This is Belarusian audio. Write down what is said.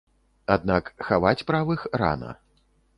Аднак хаваць правых рана.